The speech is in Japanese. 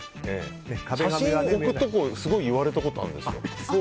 写真を置くところすごい言われたことがあるんですよ。